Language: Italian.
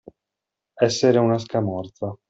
Essere una scamorza.